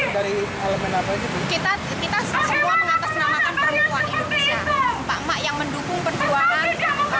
mereka menunjuk rasa mahasiswa dan pelajar tersebut